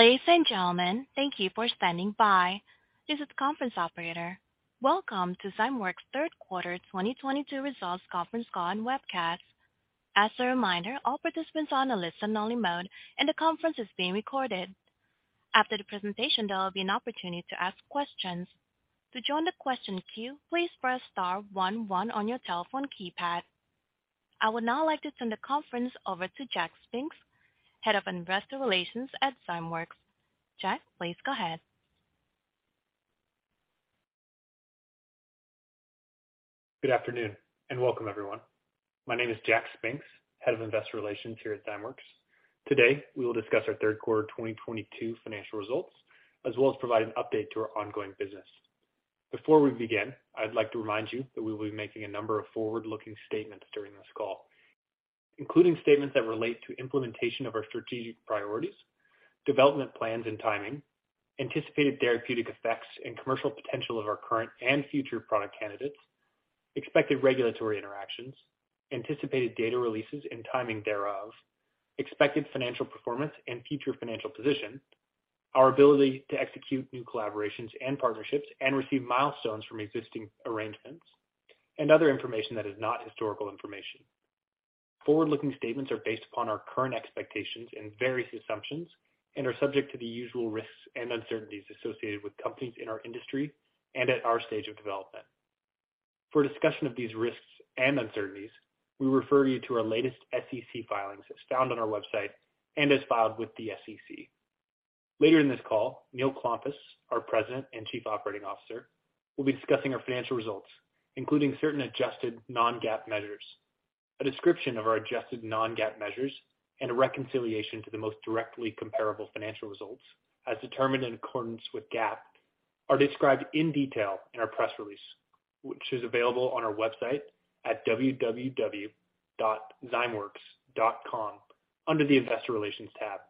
Ladies and gentlemen, thank you for standing by. This is the conference operator. Welcome to Zymeworks' 3rd quarter 2022 Results Conference Call and Webcast. As a reminder, all participants are on a listen-only mode, and the conference is being recorded. After the presentation, there will be an opportunity to ask questions. To join the question queue, please press star one one on your telephone keypad. I would now like to turn the conference over to Jack Spinks, Head of Investor Relations at Zymeworks. Jack, please go ahead. Good afternoon and welcome, everyone. My name is Jack Spinks, Head of Investor Relations here at Zymeworks. Today, we will discuss our 3rd quarter 2022 financial results, as well as provide an update to our ongoing business. Before we begin, I'd like to remind you that we will be making a number of forward-looking statements during this call, including statements that relate to implementation of our strategic priorities, development plans and timing, anticipated therapeutic effects and commercial potential of our current and future product candidates, expected regulatory interactions, anticipated data releases and timing thereof, expected financial performance and future financial position, our ability to execute new collaborations and partnerships and receive milestones from existing arrangements, and other information that is not historical information. Forward-looking statements are based upon our current expectations and various assumptions and are subject to the usual risks and uncertainties associated with companies in our industry and at our stage of development. For a discussion of these risks and uncertainties, we refer you to our latest SEC filings as found on our website and as filed with the SEC. Later in this call, Neil Klompas, our President and Chief Operating Officer, will be discussing our financial results, including certain adjusted non-GAAP measures. A description of our adjusted non-GAAP measures and a reconciliation to the most directly comparable financial results as determined in accordance with GAAP are described in detail in our press release, which is available on our website at www.zymeworks.com under the Investor Relations tab.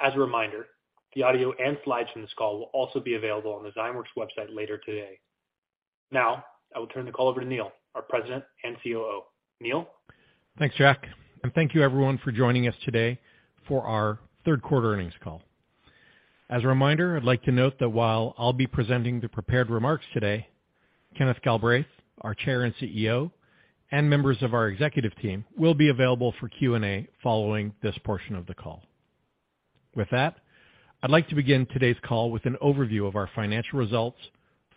As a reminder, the audio and slides from this call will also be available on the Zymeworks website later today. Now, I will turn the call over to Neil, our President and COO. Neil? Thanks, Jack, and thank you everyone for joining us today for our 3rd quarter earnings call. As a reminder, I'd like to note that while I'll be presenting the prepared remarks today. Kenneth Galbraith, our Chair and CEO, and members of our executive team will be available for Q&A following this portion of the call. With that, I'd like to begin today's call with an overview of our financial results,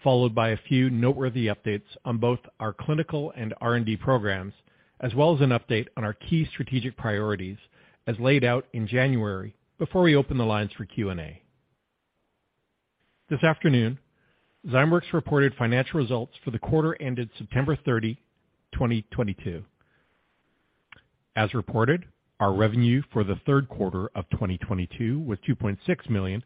followed by a few noteworthy updates on both our clinical and R&D programs, as well as an update on our key strategic priorities as laid out in January before we open the lines for Q&A. This afternoon, Zymeworks reported financial results for the quarter ended September 30, 2022. As reported, our revenue for the 3rd quarter of 2022 was $2.6 million,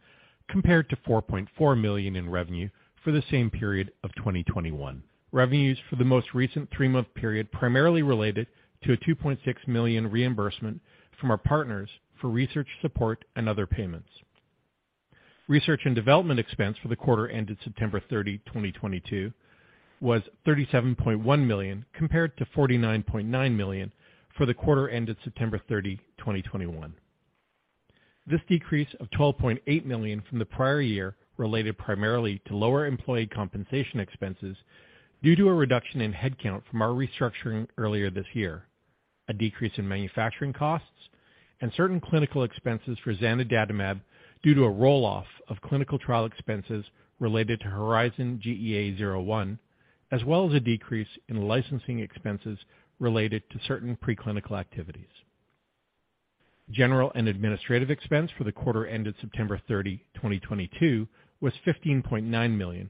compared to $4.4 million in revenue for the same period of 2021. Revenues for the most recent three-month period primarily related to a $2.6 million reimbursement from our partners for research support and other payments. Research and development expense for the quarter ended September 30, 2022 was $37.1 million, compared to $49.9 million for the quarter ended September 30, 2021. This decrease of $12.8 million from the prior year related primarily to lower employee compensation expenses due to a reduction in headcount from our restructuring earlier this year, a decrease in manufacturing costs and certain clinical expenses for zanidatamab due to a roll-off of clinical trial expenses related to HERIZON-GEA-01, as well as a decrease in licensing expenses related to certain preclinical activities. General and administrative expense for the quarter ended September 30, 2022 was $15.9 million,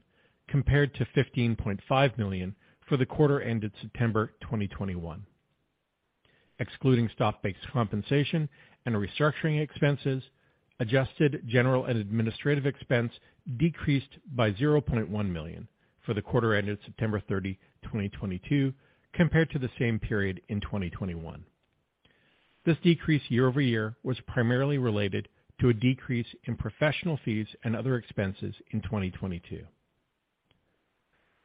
compared to $15.5 million for the quarter ended September 2021. Excluding stock-based compensation and restructuring expenses, adjusted general and administrative expense decreased by $0.1 million for the quarter ended September 30, 2022 compared to the same period in 2021. This decrease year-over-year was primarily related to a decrease in professional fees and other expenses in 2022.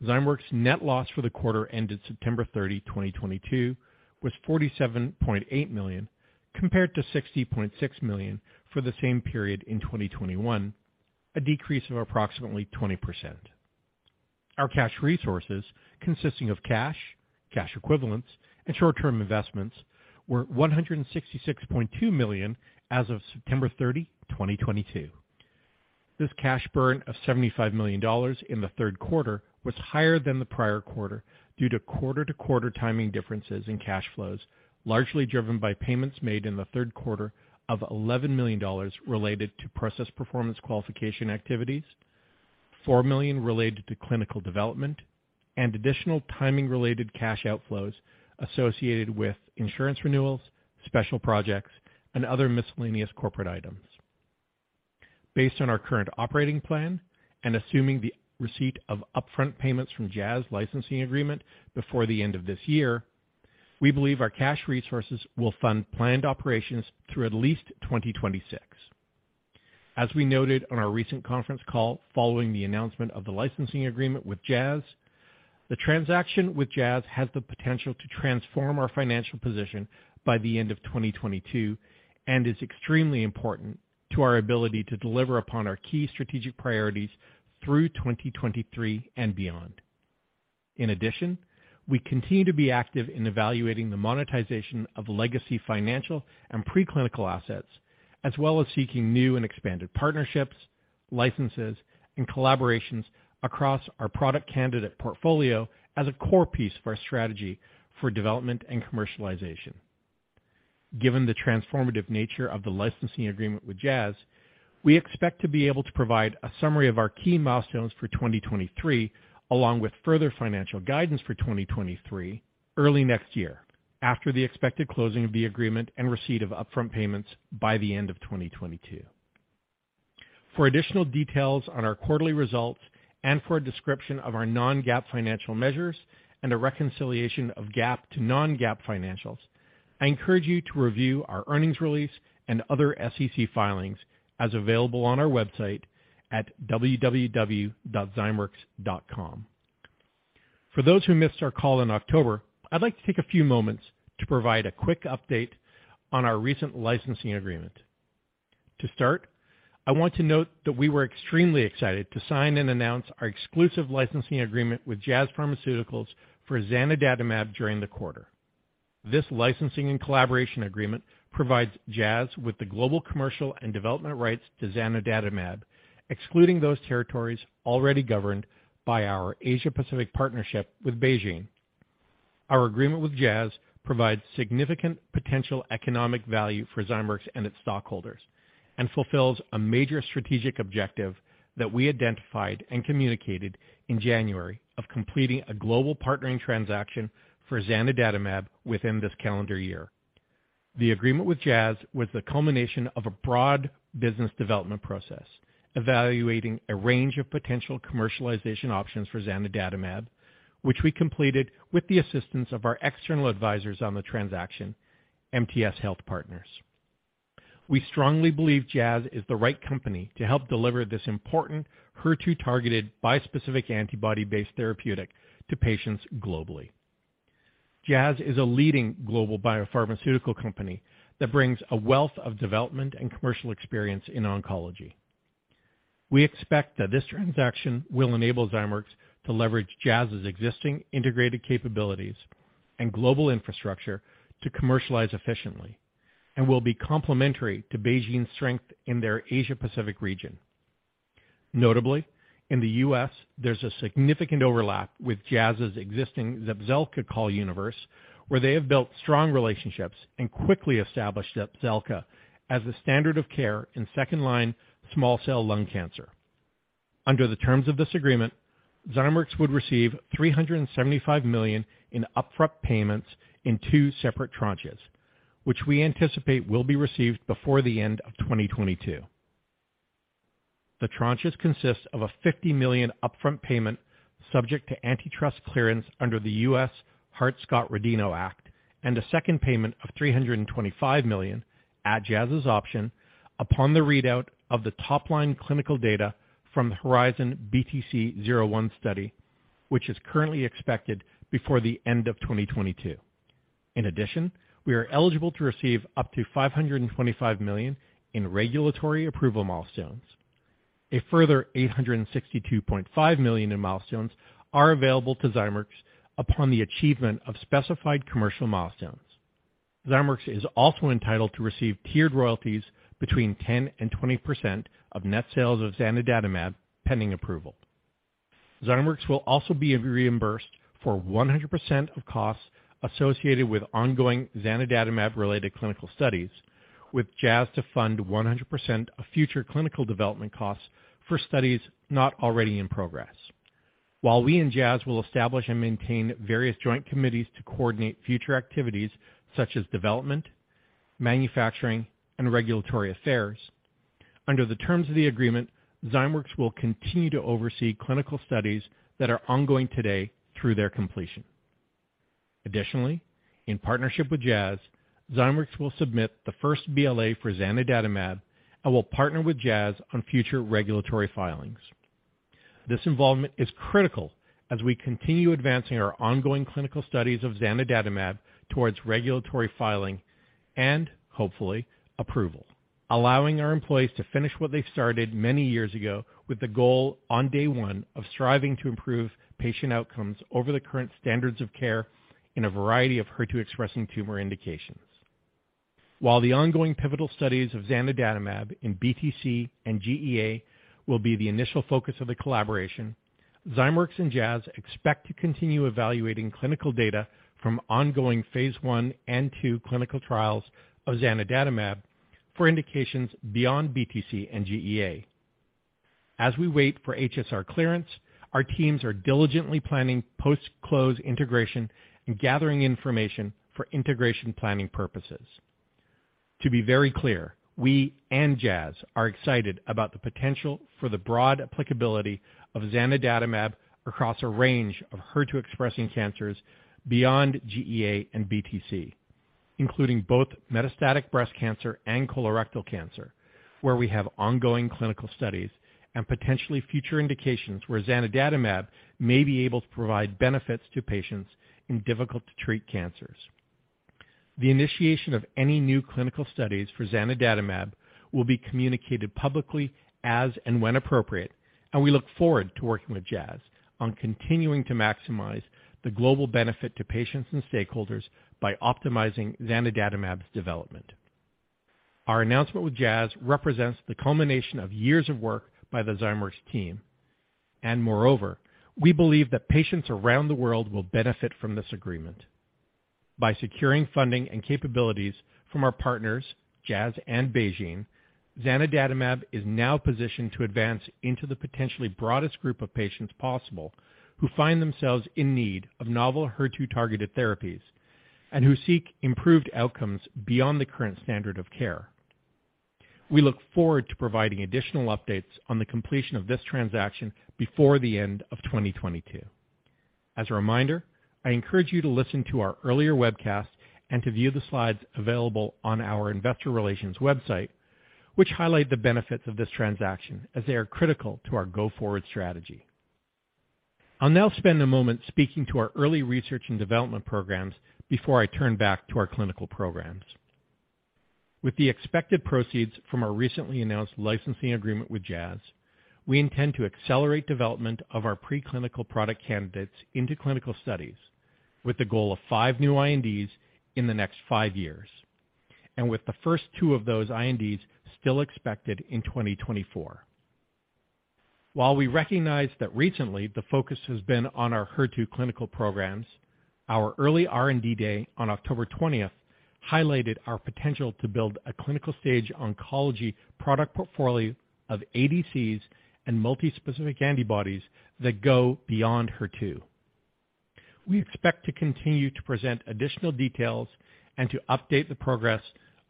Zymeworks' net loss for the quarter ended September 30, 2022 was $47.8 million, compared to $60.6 million for the same period in 2021, a decrease of approximately 20%. Our cash resources, consisting of cash equivalents, and short-term investments, were $166.2 million as of September 30, 2022. This cash burn of $75 million in the 3rd quarter was higher than the prior quarter due to quarter-to-quarter timing differences in cash flows, largely driven by payments made in the 3rd quarter of $11 million related to Process Performance Qualification activities, $4 million related to clinical development, and additional timing-related cash outflows associated with insurance renewals, special projects, and other miscellaneous corporate items. Based on our current operating plan and assuming the receipt of upfront payments from Jazz licensing agreement before the end of this year, we believe our cash resources will fund planned operations through at least 2026. As we noted on our recent conference call following the announcement of the licensing agreement with Jazz. The transaction with Jazz has the potential to transform our financial position by the end of 2022, and is extremely important to our ability to deliver upon our key strategic priorities through 2023 and beyond. In addition, we continue to be active in evaluating the monetization of legacy financial and preclinical assets, as well as seeking new and expanded partnerships, licenses, and collaborations across our product candidate portfolio as a core piece of our strategy for development and commercialization. Given the transformative nature of the licensing agreement with Jazz, we expect to be able to provide a summary of our key milestones for 2023, along with further financial guidance for 2023 early next year, after the expected closing of the agreement and receipt of upfront payments by the end of 2022. For additional details on our quarterly results and for a description of our non-GAAP financial measures and a reconciliation of GAAP to non-GAAP financials, I encourage you to review our earnings release and other SEC filings as available on our website at www.zymeworks.com. For those who missed our call in October, I'd like to take a few moments to provide a quick update on our recent licensing agreement. To start, I want to note that we were extremely excited to sign and announce our exclusive licensing agreement with Jazz Pharmaceuticals for zanidatamab during the quarter. This licensing and collaboration agreement provides Jazz with the global commercial and development rights to zanidatamab, excluding those territories already governed by our Asia-Pacific partnership with BeiGene. Our agreement with Jazz provides significant potential economic value for Zymeworks and its stockholders and fulfills a major strategic objective that we identified and communicated in January of completing a global partnering transaction for zanidatamab within this calendar year. The agreement with Jazz was the culmination of a broad business development process evaluating a range of potential commercialization options for zanidatamab, which we completed with the assistance of our external advisors on the transaction, MTS Health Partners. We strongly believe Jazz is the right company to help deliver this important HER2-targeted bispecific antibody-based therapeutic to patients globally. Jazz is a leading global biopharmaceutical company that brings a wealth of development and commercial experience in oncology. We expect that this transaction will enable Zymeworks to leverage Jazz's existing integrated capabilities and global infrastructure to commercialize efficiently and will be complementary to BeiGene's strength in their Asia-Pacific region. Notably, in the U.S., there's a significant overlap with Jazz's existing Zepzelca call universe, where they have built strong relationships and quickly established Zepzelca as a standard of care in second-line small cell lung cancer. Under the terms of this agreement, Zymeworks would receive $375 million in upfront payments in two separate tranches, which we anticipate will be received before the end of 2022. The tranches consist of a $50 million upfront payment subject to antitrust clearance under the U.S. Hart-Scott-Rodino Act and a second payment of $325 million at Jazz's option upon the readout of the top line clinical data from the HERIZON-BTC-01 study, which is currently expected before the end of 2022. In addition, we are eligible to receive up to $525 million in regulatory approval milestones. A further $862.5 million in milestones are available to Zymeworks upon the achievement of specified commercial milestones. Zymeworks is also entitled to receive tiered royalties between 10%-20% of net sales of zanidatamab, pending approval. Zymeworks will also be reimbursed for 100% of costs associated with ongoing zanidatamab-related clinical studies, with Jazz Pharmaceuticals to fund 100% of future clinical development costs for studies not already in progress. While we and Jazz Pharmaceuticals will establish and maintain various joint committees to coordinate future activities such as development, manufacturing, and regulatory affairs, under the terms of the agreement, Zymeworks will continue to oversee clinical studies that are ongoing today through their completion. Additionally, in partnership with Jazz Pharmaceuticals, Zymeworks will submit the first BLA for zanidatamab and will partner with Jazz Pharmaceuticals on future regulatory filings. This involvement is critical as we continue advancing our ongoing clinical studies of zanidatamab towards regulatory filing and hopefully approval, allowing our employees to finish what they started many years ago with the goal on day one of striving to improve patient outcomes over the current standards of care in a variety of HER2 expressing tumor indications. While the ongoing pivotal studies of zanidatamab in BTC and GEA will be the initial focus of the collaboration, Zymeworks and Jazz expect to continue evaluating clinical data from ongoing phase I and phase II clinical trials of zanidatamab for indications beyond BTC and GEA. As we wait for HSR clearance, our teams are diligently planning post-close integration and gathering information for integration planning purposes. To be very clear, we and Jazz are excited about the potential for the broad applicability of zanidatamab across a range of HER2 expressing cancers beyond GEA and BTC, including both metastatic breast cancer and colorectal cancer, where we have ongoing clinical studies and potentially future indications where zanidatamab may be able to provide benefits to patients in difficult to treat cancers. The initiation of any new clinical studies for zanidatamab will be communicated publicly as and when appropriate, and we look forward to working with Jazz on continuing to maximize the global benefit to patients and stakeholders by optimizing zanidatamab's development. Our announcement with Jazz represents the culmination of years of work by the Zymeworks team. Moreover, we believe that patients around the world will benefit from this agreement. By securing funding and capabilities from our partners, Jazz Pharmaceuticals and BeiGene, zanidatamab is now positioned to advance into the potentially broadest group of patients possible, who find themselves in need of novel HER2-targeted therapies and who seek improved outcomes beyond the current standard of care. We look forward to providing additional updates on the completion of this transaction before the end of 2022. As a reminder, I encourage you to listen to our earlier webcast and to view the slides available on our investor relations website, which highlight the benefits of this transaction as they are critical to our go-forward strategy. I'll now spend a moment speaking to our early research and development programs before I turn back to our clinical programs. With the expected proceeds from our recently announced licensing agreement with Jazz, we intend to accelerate development of our preclinical product candidates into clinical studies with the goal of five new INDs in the next five years, and with the first two of those INDs still expected in 2024. While we recognize that recently the focus has been on our HER2 clinical programs, our early R&D day on October twentieth highlighted our potential to build a clinical stage oncology product portfolio of ADCs and multi-specific antibodies that go beyond HER2. We expect to continue to present additional details and to update the progress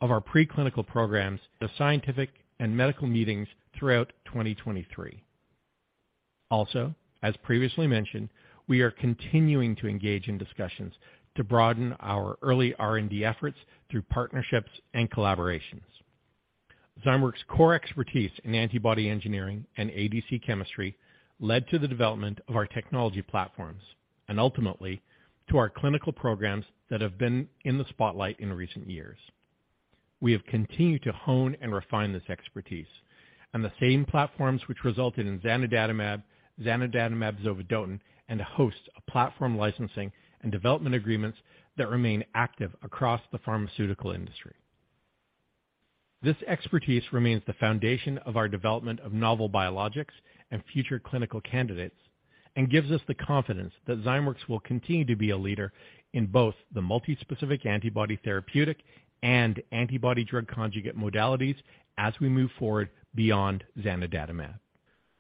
of our preclinical programs at scientific and medical meetings throughout 2023. Also, as previously mentioned, we are continuing to engage in discussions to broaden our early R&D efforts through partnerships and collaborations. Zymeworks' core expertise in antibody engineering and ADC chemistry led to the development of our technology platforms and ultimately to our clinical programs that have been in the spotlight in recent years. We have continued to hone and refine this expertise and the same platforms which resulted in zanidatamab zovodotin, and a host of platform licensing and development agreements that remain active across the pharmaceutical industry. This expertise remains the foundation of our development of novel biologics and future clinical candidates, and gives us the confidence that Zymeworks will continue to be a leader in both the multi-specific antibody therapeutic and antibody drug conjugate modalities as we move forward beyond zanidatamab.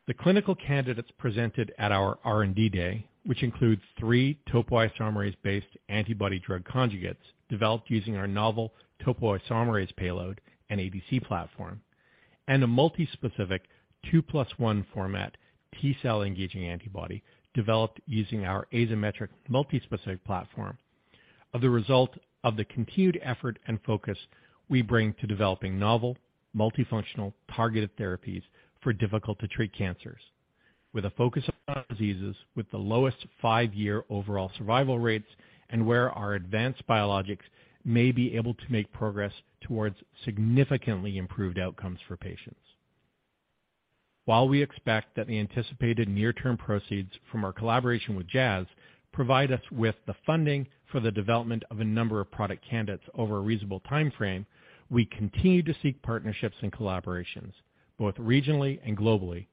The clinical candidates presented at our R&D Day, which includes three topoisomerase-based antibody-drug conjugates developed using our novel topoisomerase payload and ADC platform, and a multispecific 2+1 format T-cell engaging antibody developed using our asymmetric multispecific platform, are the result of the continued effort and focus we bring to developing novel multifunctional targeted therapies for difficult-to-treat cancers, with a focus on diseases with the lowest five-year overall survival rates and where our advanced biologics may be able to make progress towards significantly improved outcomes for patients. While we expect that the anticipated near-term proceeds from our collaboration with Jazz provide us with the funding for the development of a number of product candidates over a reasonable timeframe, we continue to seek partnerships and collaborations, both regionally and globally,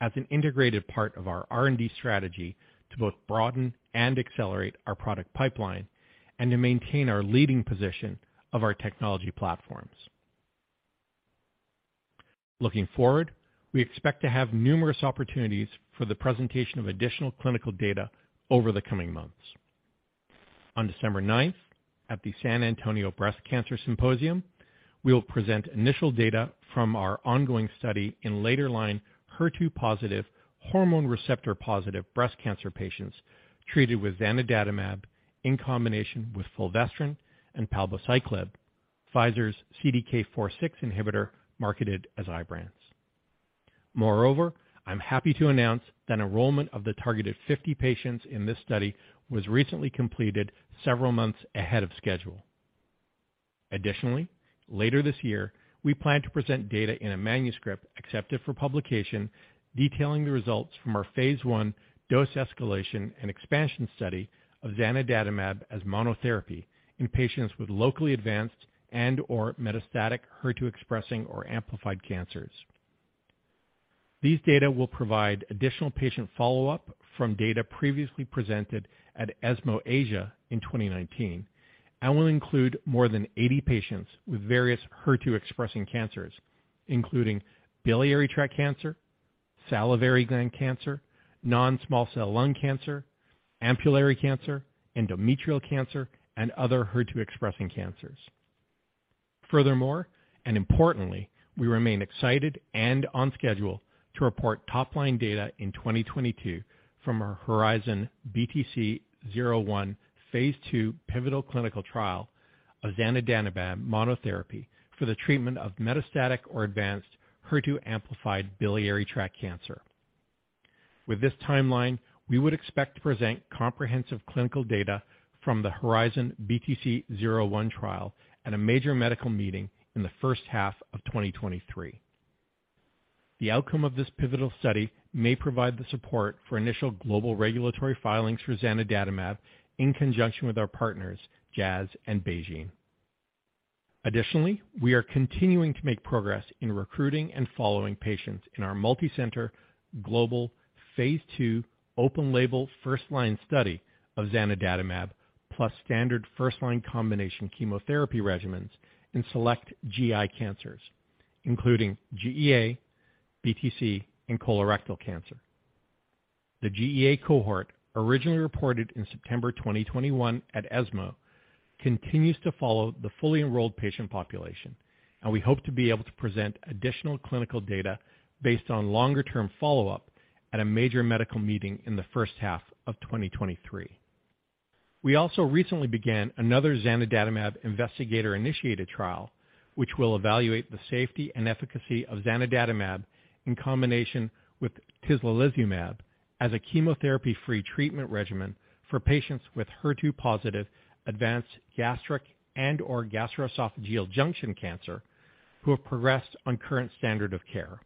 as an integrated part of our R&D strategy to both broaden and accelerate our product pipeline and to maintain our leading position of our technology platforms. Looking forward, we expect to have numerous opportunities for the presentation of additional clinical data over the coming months. On December ninth, at the San Antonio Breast Cancer Symposium, we will present initial data from our ongoing study in later line HER2-positive, hormone receptor-positive breast cancer patients treated with zanidatamab in combination with Fulvestrant and Palbociclib, Pfizer's CDK4/6 inhibitor marketed as Ibrance. Moreover, I'm happy to announce that enrollment of the targeted 50 patients in this study was recently completed several months ahead of schedule. Additionally, later this year, we plan to present data in a manuscript accepted for publication detailing the results from our phase I dose escalation and expansion study of zanidatamab as monotherapy in patients with locally advanced and/or metastatic HER2-expressing or amplified cancers. These data will provide additional patient follow-up from data previously presented at ESMO Asia in 2019 and will include more than 80 patients with various HER2-expressing cancers, including biliary tract cancer, salivary gland cancer, non-small cell lung cancer, ampullary cancer, endometrial cancer, and other HER2-expressing cancers. Furthermore, and importantly, we remain excited and on schedule to report top line data in 2022 from our HERIZON-BTC-01 phase II pivotal clinical trial of zanidatamab monotherapy for the treatment of metastatic or advanced HER2-amplified biliary tract cancer. With this timeline, we would expect to present comprehensive clinical data from the HERIZON-BTC-01 trial at a major medical meeting in the first half of 2023. The outcome of this pivotal study may provide the support for initial global regulatory filings for zanidatamab in conjunction with our partners, Jazz and BeiGene. Additionally, we are continuing to make progress in recruiting and following patients in our multicenter global phase II open label first line study of zanidatamab plus standard first line combination chemotherapy regimens in select GI cancers, including GEA, BTC and colorectal cancer. The GEA cohort, originally reported in September 2021 at ESMO, continues to follow the fully enrolled patient population, and we hope to be able to present additional clinical data based on longer term follow-up at a major medical meeting in the first half of 2023. We also recently began another zanidatamab investigator-initiated trial, which will evaluate the safety and efficacy of zanidatamab in combination with tislelizumab as a chemotherapy-free treatment regimen for patients with HER2 positive advanced gastric and/or gastroesophageal junction cancer who have progressed on current standard of care.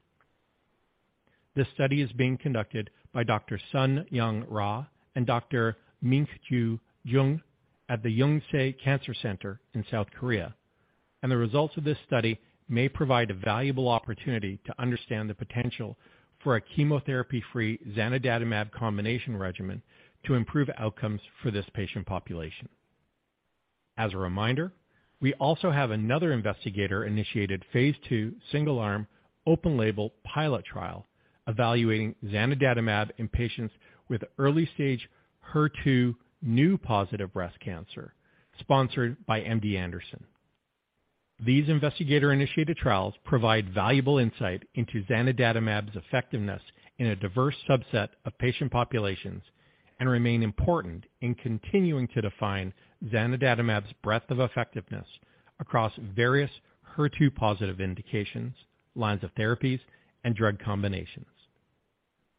This study is being conducted by Dr. Sun Young Rha and Dr. Minkyu Jung at the Yonsei Cancer Center in South Korea. The results of this study may provide a valuable opportunity to understand the potential for a chemotherapy-free zanidatamab combination regimen to improve outcomes for this patient population. As a reminder, we also have another investigator-initiated phase II single-arm open-label pilot trial evaluating zanidatamab in patients with early stage HER2-positive breast cancer sponsored by MD Anderson. These investigator-initiated trials provide valuable insight into zanidatamab's effectiveness in a diverse subset of patient populations and remain important in continuing to define zanidatamab's breadth of effectiveness across various HER2-positive indications, lines of therapy and drug combinations.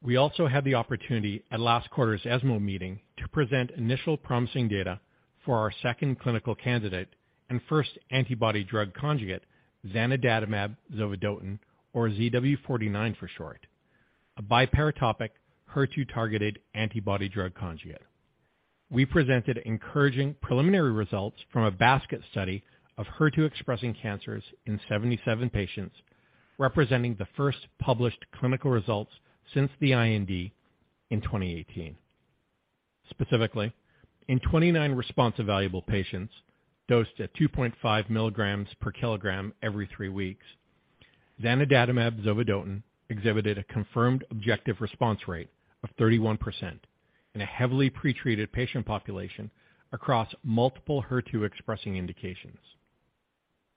We also had the opportunity at last quarter's ESMO meeting to present initial promising data for our second clinical candidate and first antibody-drug conjugate, zanidatamab zovodotin or ZW49 for short. A biparatopic HER2-targeted antibody-drug conjugate. We presented encouraging preliminary results from a basket study of HER2 expressing cancers in 77 patients, representing the first published clinical results since the IND in 2018. Specifically, in 29 response evaluable patients dosed at 2.5 milligrams per kilogram every three weeks, zanidatamab zovodotin exhibited a confirmed objective response rate of 31% in a heavily pretreated patient population across multiple HER2 expressing indications.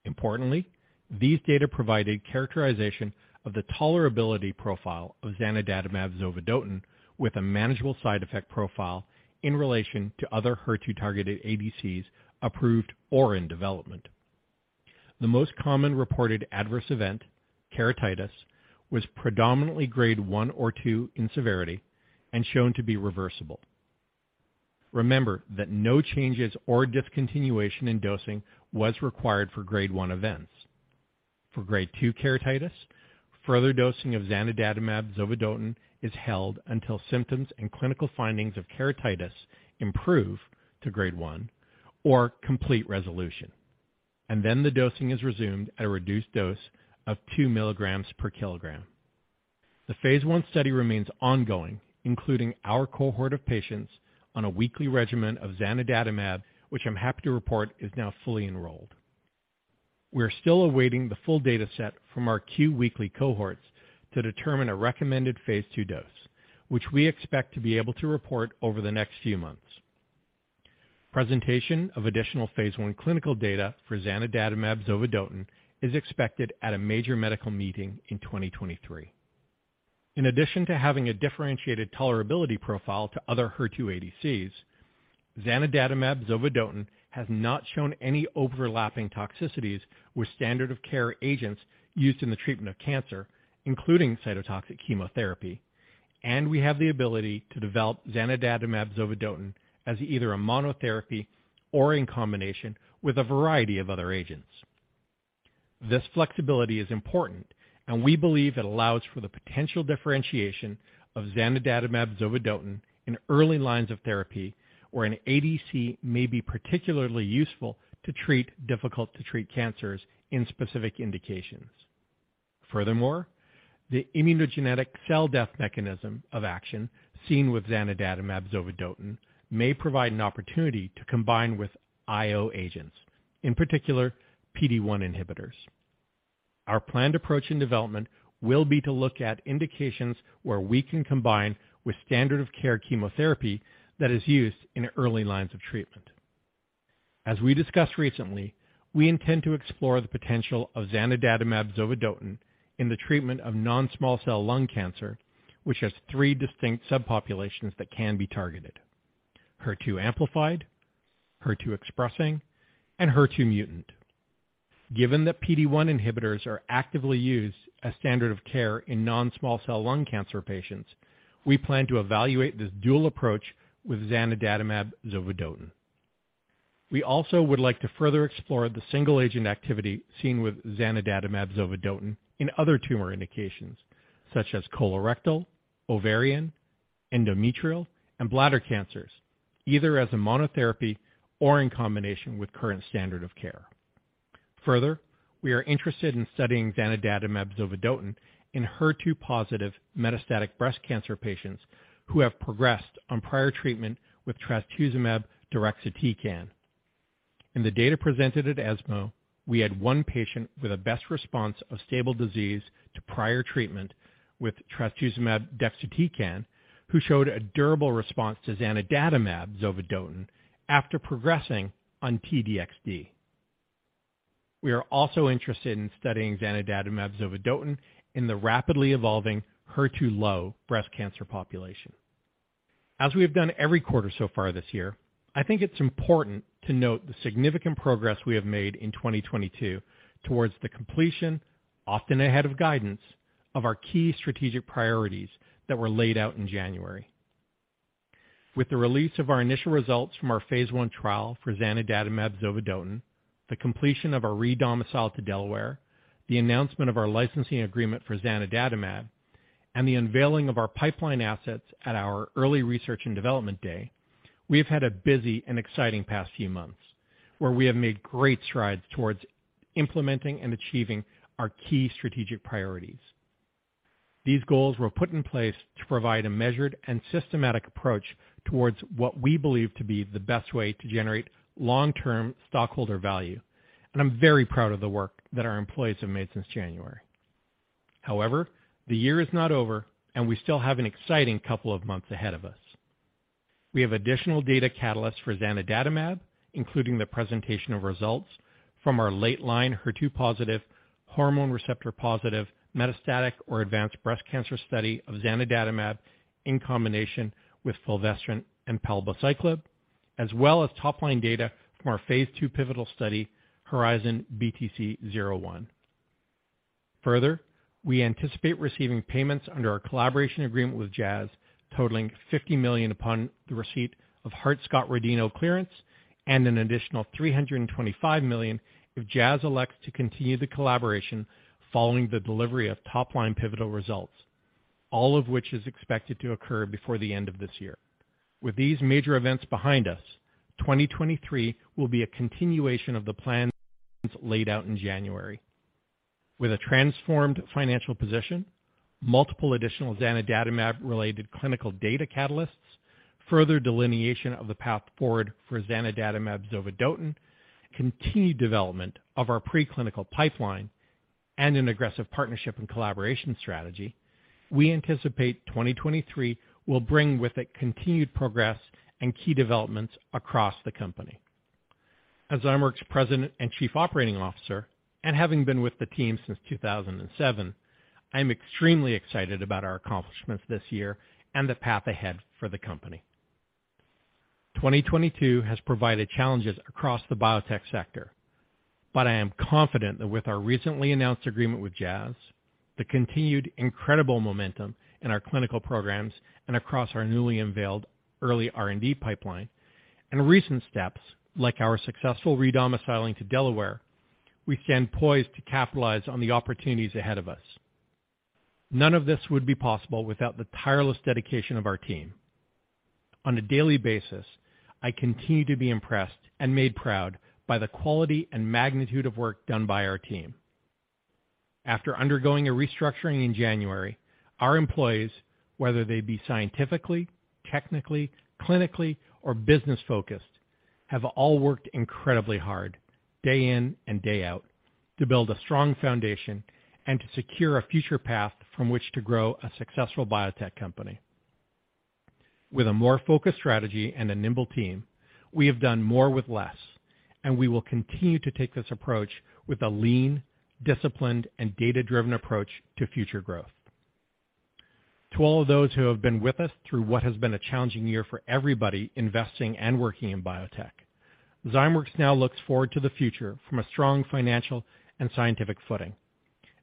Importantly, these data provided characterization of the tolerability profile of zanidatamab zovodotin with a manageable side effect profile in relation to other HER2-targeted ADCs approved or in development. The most common reported adverse event, keratitis, was predominantly grade one or two in severity and shown to be reversible. Remember that no changes or discontinuation in dosing was required for grade one events. For grade 2 keratitis, further dosing of zanidatamab zovodotin is held until symptoms and clinical findings of keratitis improve to grade 1 or complete resolution, and then the dosing is resumed at a reduced dose of two milligrams per kilogram. The phase I study remains ongoing, including our cohort of patients on a weekly regimen of zanidatamab, which I'm happy to report is now fully enrolled. We are still awaiting the full data set from our Q weekly cohorts to determine a recommended phase II dose, which we expect to be able to report over the next few months. Presentation of additional phase I clinical data for zanidatamab zovodotin is expected at a major medical meeting in 2023. In addition to having a differentiated tolerability profile to other HER2 ADCs, zanidatamab zovodotin has not shown any overlapping toxicities with standard of care agents used in the treatment of cancer, including cytotoxic chemotherapy. We have the ability to develop zanidatamab zovodotin as either a monotherapy or in combination with a variety of other agents. This flexibility is important, and we believe it allows for the potential differentiation of zanidatamab zovodotin in early lines of therapy where an ADC may be particularly useful to treat difficult to treat cancers in specific indications. Furthermore, the immunogenic cell death mechanism of action seen with zanidatamab zovodotin may provide an opportunity to combine with IO agents, in particular PD-1 inhibitors. Our planned approach in development will be to look at indications where we can combine with standard of care chemotherapy that is used in early lines of treatment. As we discussed recently, we intend to explore the potential of zanidatamab zovodotin in the treatment of non-small cell lung cancer, which has three distinct subpopulations that can be targeted, HER2 amplified, HER2 expressing, and HER2 mutant. Given that PD-1 inhibitors are actively used as standard of care in non-small cell lung cancer patients, we plan to evaluate this dual approach with zanidatamab zovodotin. We also would like to further explore the single agent activity seen with zanidatamab zovodotin in other tumor indications such as colorectal, ovarian, endometrial, and bladder cancers, either as a monotherapy or in combination with current standard of care. Further, we are interested in studying zanidatamab zovodotin in HER2-positive metastatic breast cancer patients who have progressed on prior treatment with trastuzumab deruxtecan. In the data presented at ESMO, we had one patient with a best response of stable disease to prior treatment with trastuzumab deruxtecan who showed a durable response to zanidatamab zovodotin after progressing on T-DXd. We are also interested in studying zanidatamab zovodotin in the rapidly evolving HER2 low breast cancer population. As we have done every quarter so far this year, I think it's important to note the significant progress we have made in 2022 towards the completion, often ahead of guidance, of our key strategic priorities that were laid out in January. With the release of our initial results from our phase I trial for zanidatamab zovodotin, the completion of our re-domicile to Delaware, the announcement of our licensing agreement for zanidatamab, and the unveiling of our pipeline assets at our early research and development day. We have had a busy and exciting past few months where we have made great strides towards implementing and achieving our key strategic priorities. These goals were put in place to provide a measured and systematic approach towards what we believe to be the best way to generate long-term stockholder value, and I'm very proud of the work that our employees have made since January. However, the year is not over, and we still have an exciting couple of months ahead of us. We have additional data catalysts for zanidatamab, including the presentation of results from our late line HER2 positive, hormone receptor positive, metastatic or advanced breast cancer study of zanidatamab in combination with Fulvestrant and Palbociclib, as well as top line data from our phase II pivotal study, HERIZON-BTC-01. Further, we anticipate receiving payments under our collaboration agreement with Jazz totaling $50 million upon the receipt of Hart-Scott-Rodino clearance and an additional $325 million if Jazz elects to continue the collaboration following the delivery of top line pivotal results, all of which is expected to occur before the end of this year. With these major events behind us, 2023 will be a continuation of the plans laid out in January. With a transformed financial position, multiple additional zanidatamab related clinical data catalysts, further delineation of the path forward for zanidatamab zovodotin, continued development of our preclinical pipeline, and an aggressive partnership and collaboration strategy, we anticipate 2023 will bring with it continued progress and key developments across the company. As Zymeworks President and Chief Operating Officer, and having been with the team since 2007, I am extremely excited about our accomplishments this year and the path ahead for the company. 2022 has provided challenges across the biotech sector, but I am confident that with our recently announced agreement with Jazz, the continued incredible momentum in our clinical programs and across our newly unveiled early R&D pipeline, and recent steps like our successful re-domiciling to Delaware, we stand poised to capitalize on the opportunities ahead of us. None of this would be possible without the tireless dedication of our team. On a daily basis, I continue to be impressed and made proud by the quality and magnitude of work done by our team. After undergoing a restructuring in January, our employees, whether they be scientifically, technically, clinically, or business focused, have all worked incredibly hard day in and day out to build a strong foundation and to secure a future path from which to grow a successful biotech company. With a more focused strategy and a nimble team, we have done more with less, and we will continue to take this approach with a lean, disciplined, and data-driven approach to future growth. To all of those who have been with us through what has been a challenging year for everybody investing and working in biotech, Zymeworks now looks forward to the future from a strong financial and scientific footing,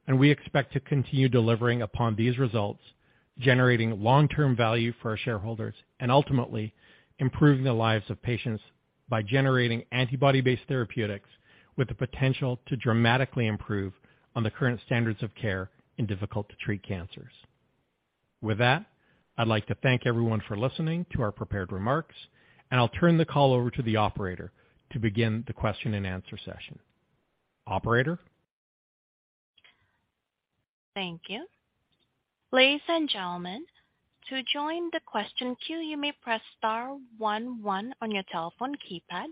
and we expect to continue delivering upon these results, generating long-term value for our shareholders and ultimately improving the lives of patients by generating antibody-based therapeutics with the potential to dramatically improve on the current standards of care in difficult to treat cancers. With that, I'd like to thank everyone for listening to our prepared remarks, and I'll turn the call over to the operator to begin the question and answer session. Operator? Thank you. Ladies and gentlemen, to join the question queue, you may press star one one on your telephone keypad.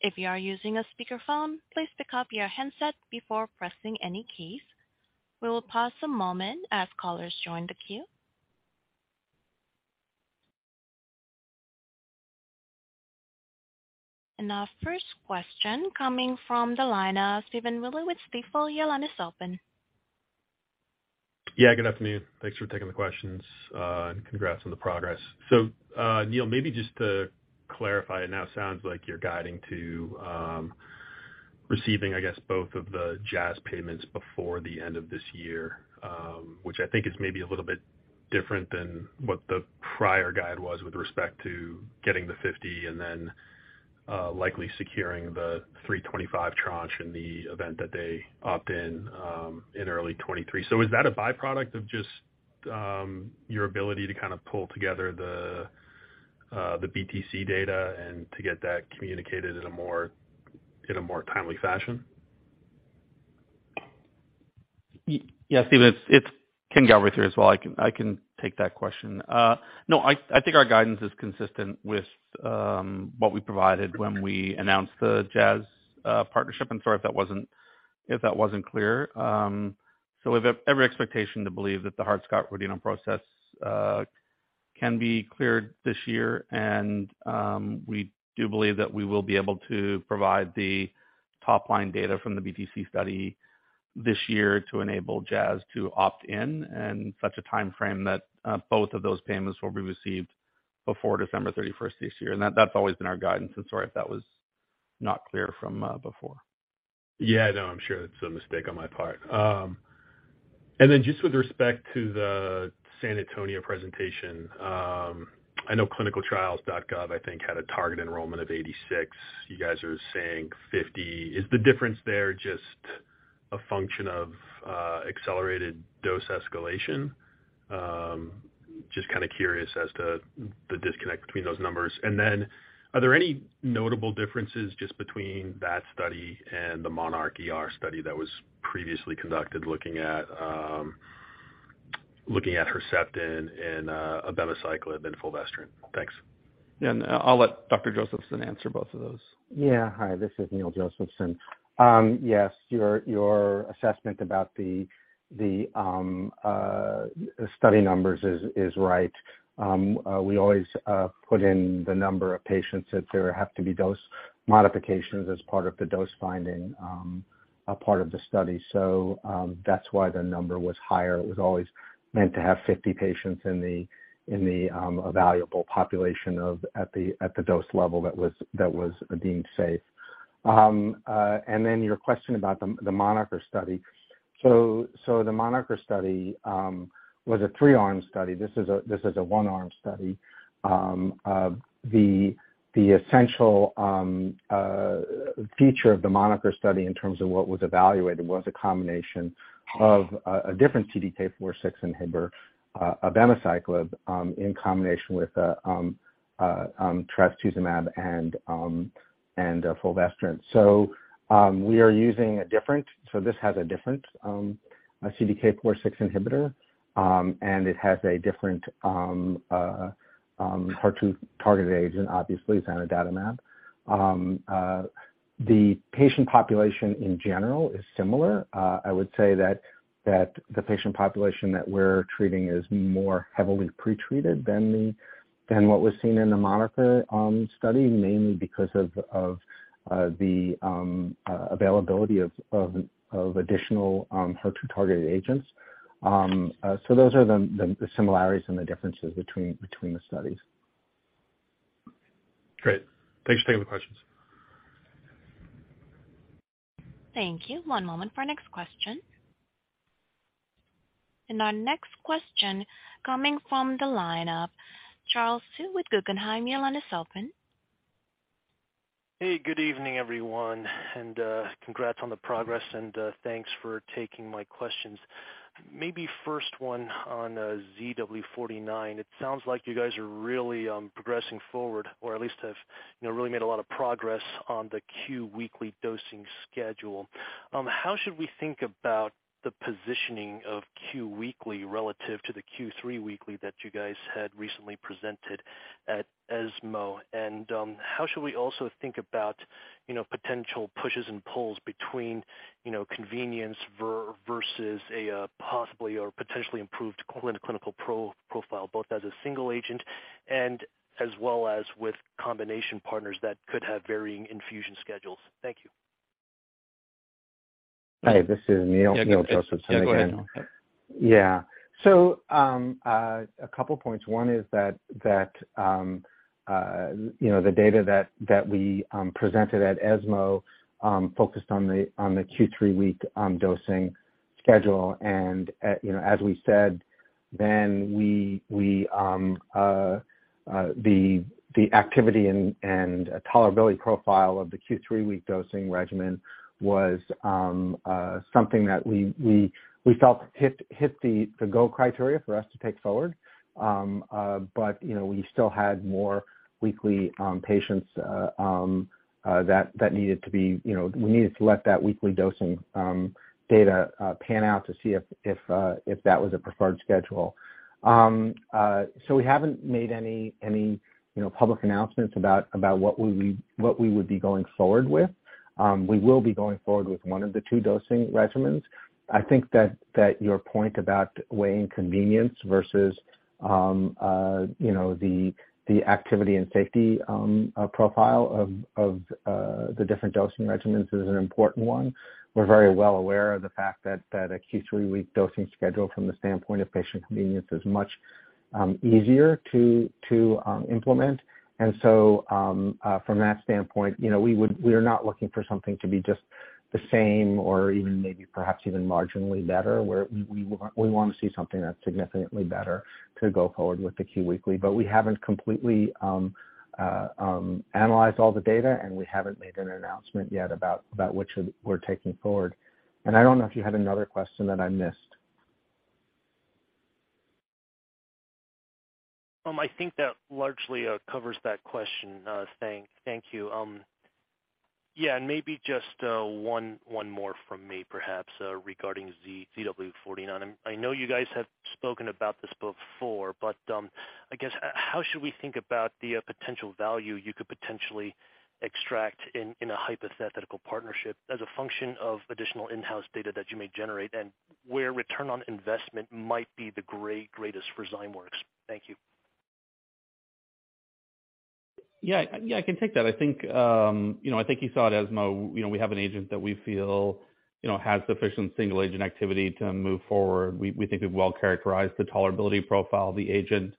If you are using a speakerphone, please pick up your handset before pressing any keys. We will pause a moment as callers join the queue. Our first question coming from the line of Stephen Willey with Stifel. Your line is open. Yeah, good afternoon. Thanks for taking the questions, and congrats on the progress. Neil, maybe just to clarify, it now sounds like you're guiding to receiving, I guess, both of the Jazz payments before the end of this year, which I think is maybe a little bit different than what the prior guide was with respect to getting the $50 and then likely securing the $325 tranche in the event that they opt in in early 2023. Is that a byproduct of just your ability to kind of pull together the BTC data and to get that communicated in a more timely fashion? Yeah, Stephen, it's Ken Galbraith too as well. I can take that question. No, I think our guidance is consistent with what we provided when we announced the Jazz partnership, sorry if that wasn't clear. We have every expectation to believe that the Hart-Scott-Rodino process can be cleared this year. We do believe that we will be able to provide the top-line data from the BTC study this year to enable Jazz to opt in in such a timeframe that both of those payments will be received before December 31 this year. That's always been our guidance. Sorry if that was not clear from before. Yeah. No, I'm sure it's a mistake on my part. Just with respect to the San Antonio presentation, I know ClinicalTrials.gov, I think, had a target enrollment of 86. You guys are saying 50. Is the difference there just a function of accelerated dose escalation? Just kind of curious as to the disconnect between those numbers. Are there any notable differences just between that study and the monarcHER study that was previously conducted looking at Herceptin and abemaciclib and fulvestrant? Thanks. I'll let Dr. Josephson answer both of those. Yeah. Hi, this is Neil Josephson. Yes, your assessment about the study numbers is right. We always put in the number of patients if there have to be dose modifications as part of the dose finding, a part of the study. That's why the number was higher. It was always meant to have 50 patients in the evaluable population at the dose level that was deemed safe. Then your question about the monarcHER study. The monarcHER study was a three-arm study. This is a one-arm study. The essential feature of the monarcHER study in terms of what was evaluated was a combination of a different CDK4/6 inhibitor, abemaciclib, in combination with trastuzumab and fulvestrant. This has a different CDK4/6 inhibitor, and it has a different HER2-targeted agent, obviously it's zanidatamab. The patient population in general is similar. I would say that the patient population that we're treating is more heavily pretreated than what was seen in the monarcHER study, mainly because of the availability of additional HER2-targeted agents. Those are the similarities and the differences between the studies. Great. Thanks for taking the questions. Thank you. One moment for our next question. Our next question coming from the line of Charles Hsu with Guggenheim. Your line is open. Hey, good evening, everyone, and congrats on the progress and thanks for taking my questions. Maybe first one on ZW49. It sounds like you guys are really progressing forward or at least have, you know, really made a lot of progress on the Q weekly dosing schedule. How should we think about the positioning of Q weekly relative to the Q3 weekly that you guys had recently presented at ESMO? How should we also think about, you know, potential pushes and pulls between, you know, convenience versus a possibly or potentially improved clinical profile, both as a single agent and as well as with combination partners that could have varying infusion schedules? Thank you. Hi, this is Neil. Yeah. Neil Josephson again. Yeah, go ahead. A couple points. One is that you know, the data that we presented at ESMO focused on the Q3-week dosing. Schedule. You know, as we said then, the activity and tolerability profile of the Q3W dosing regimen was something that we felt hit the go criteria for us to take forward. You know, we still had more weekly patients that needed to be, you know, we needed to let that weekly dosing data pan out to see if that was a preferred schedule. We haven't made any public announcements about what we would be going forward with. We will be going forward with one of the two dosing regimens. I think that your point about weighing convenience versus, you know, the activity and safety profile of the different dosing regimens is an important one. We're very well aware of the fact that a Q3 weekly dosing schedule from the standpoint of patient convenience is much easier to implement. From that standpoint, you know, we're not looking for something to be just the same or even maybe perhaps even marginally better, where we want to see something that's significantly better to go forward with the Q weekly. We haven't completely analyzed all the data, and we haven't made an announcement yet about which we're taking forward. I don't know if you had another question that I missed. I think that largely covers that question. Thank you. Yeah, and maybe just one more from me perhaps, regarding ZW49. I know you guys have spoken about this before, but I guess how should we think about the potential value you could potentially extract in a hypothetical partnership as a function of additional in-house data that you may generate, and where return on investment might be the greatest for Zymeworks? Thank you. Yeah. Yeah, I can take that. I think, you know, I think you saw at ESMO, you know, we have an agent that we feel, you know, has sufficient single agent activity to move forward. We think we've well characterized the tolerability profile of the agent,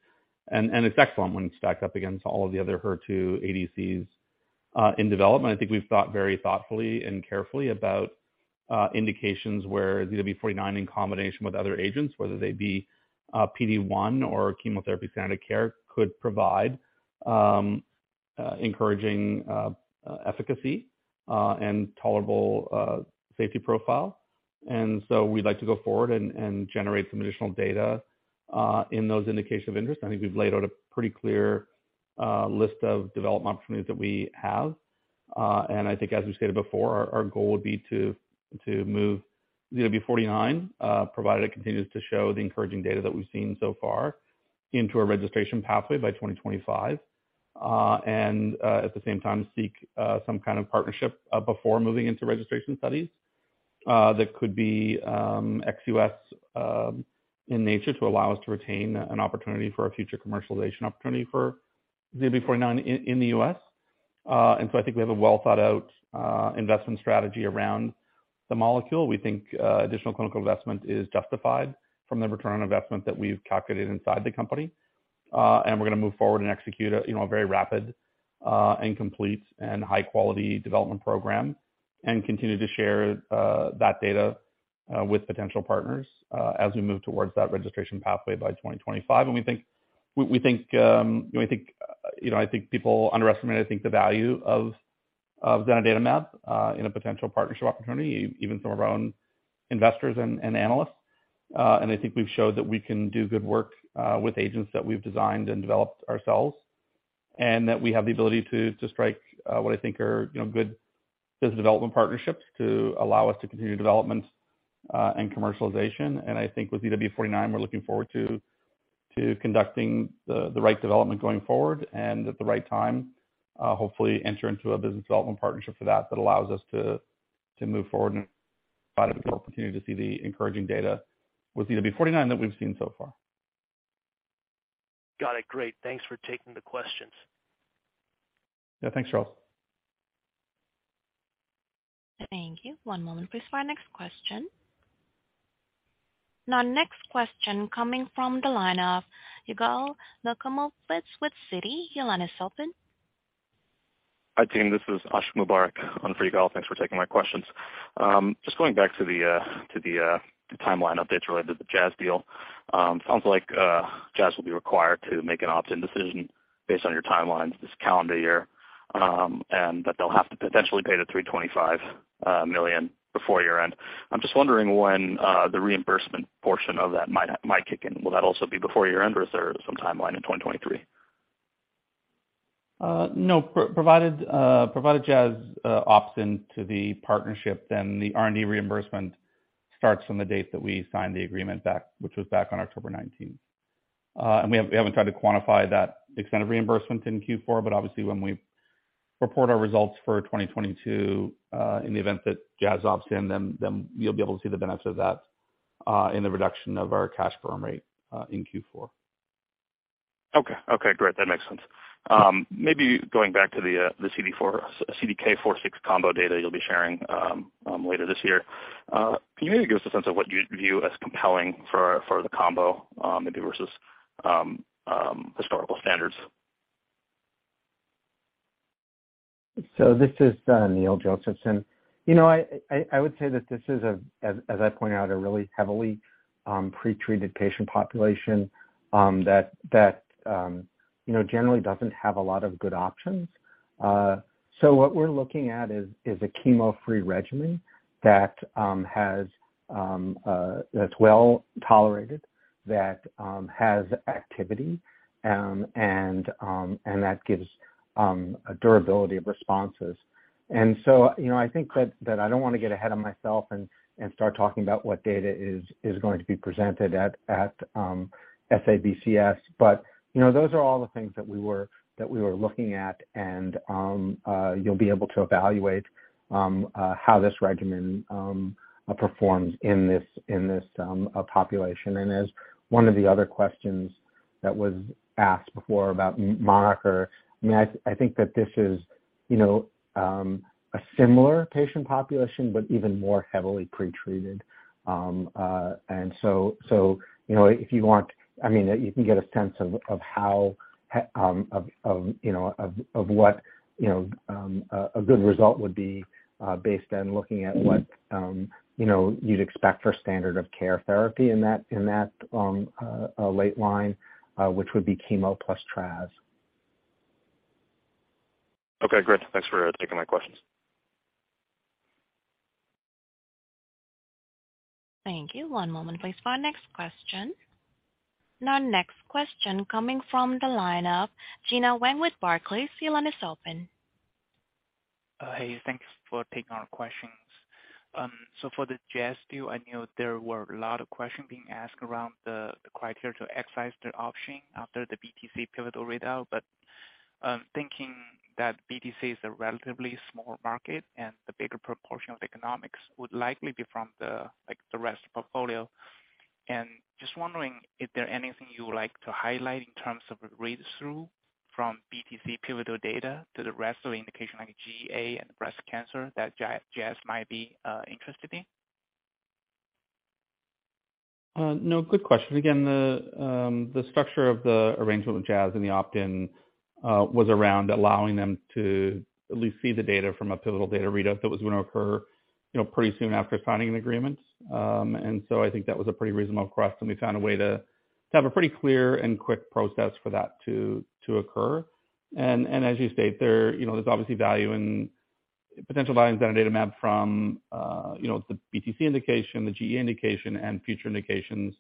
and it's excellent when it's stacked up against all of the other HER2 ADCs in development. I think we've thought very thoughtfully and carefully about indications where ZW49 in combination with other agents, whether they be PD-1 or chemotherapy standard care, could provide encouraging efficacy and tolerable safety profile. We'd like to go forward and generate some additional data in those indications of interest. I think we've laid out a pretty clear list of development opportunities that we have. I think as we stated before, our goal would be to move ZW49, provided it continues to show the encouraging data that we've seen so far, into a registration pathway by 2025. At the same time, seek some kind of partnership before moving into registration studies that could be ex US in nature to allow us to retain an opportunity for a future commercialization opportunity for ZW49 in the US. I think we have a well-thought-out investment strategy around the molecule. We think additional clinical investment is justified from the return on investment that we've calculated inside the company. We're gonna move forward and execute a you know a very rapid and complete and high-quality development program and continue to share that data with potential partners as we move towards that registration pathway by 2025. We think we think you know I think you know I think people underestimate I think the value of zanidatamab zovodotin in a potential partnership opportunity, even some of our own investors and analysts. I think we've showed that we can do good work with agents that we've designed and developed ourselves, and that we have the ability to strike what I think are you know good business development partnerships to allow us to continue development and commercialization. I think with ZW49, we're looking forward to conducting the right development going forward and at the right time, hopefully enter into a business development partnership for that allows us to move forward and provide us with the opportunity to see the encouraging data with ZW49 that we've seen so far. Got it. Great. Thanks for taking the questions. Yeah. Thanks, Charles. Thank you. One moment please for our next question. Now, next question coming from the line of Yigal Nochomovitz with Citi. Your line is open. Hi, team. This is Ashiq Mubarack on for Yigal Nochomovitz. Thanks for taking my questions. Just going back to the timeline updates related to the Jazz deal. Sounds like Jazz will be required to make an opt-in decision based on your timelines this calendar year, and that they'll have to potentially pay the $325 million before year-end. I'm just wondering when the reimbursement portion of that might kick in. Will that also be before year-end or is there some timeline in 2023? No. Provided Jazz opts into the partnership, then the R&D reimbursement starts from the date that we signed the agreement back, which was back on October nineteenth. We haven't tried to quantify that extent of reimbursement in Q4, but obviously when we report our results for 2022, in the event that Jazz opts in, then you'll be able to see the benefits of that, in the reduction of our cash burn rate, in Q4. Okay, great. That makes sense. Maybe going back to the CDK4/6 combo data you'll be sharing later this year. Can you maybe give us a sense of what you view as compelling for the combo, maybe versus historical standards? This is Neil Josephson. You know, I would say that this is a, as I point out, a really heavily pretreated patient population, that you know generally doesn't have a lot of good options. What we're looking at is a chemo-free regimen that's well tolerated, that has activity, and that gives a durability of responses. You know, I think that I don't wanna get ahead of myself and start talking about what data is going to be presented at SABCS. You know, those are all the things that we were looking at, and you'll be able to evaluate how this regimen performs in this population. As one of the other questions that was asked before about monarcHER, I mean, I think that this is, you know, a similar patient population, but even more heavily pretreated. You know, if you want, I mean, you can get a sense of how, of what, you know, a good result would be, based on looking at what, you know, you'd expect for standard of care therapy in that late line, which would be chemo plus trastuzumab. Okay, great. Thanks for taking my questions. Thank you. One moment please for our next question. Now next question coming from the line of Gina Wang with Barclays. Your line is open. Hey, thanks for taking our questions. For the Jazz deal, I know there were a lot of questions being asked around the criteria to exercise their option after the BTC pivotal readout. Thinking that BTC is a relatively small market and the bigger proportion of economics would likely be from, like, the rest portfolio. Just wondering if there anything you would like to highlight in terms of a read-through from BTC pivotal data to the rest of the indication like GEA and breast cancer that Jazz might be interested in. No good question. Again, the structure of the arrangement with Jazz and the opt-in was around allowing them to at least see the data from a pivotal data readout that was gonna occur, you know, pretty soon after signing an agreement. I think that was a pretty reasonable request, and we found a way to have a pretty clear and quick process for that to occur. As you state, there, you know, there's obviously value in potential value in zanidatamab from, you know, the BTC indication, the GEA indication, and future indications,